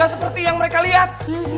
seperti yang mereka lihat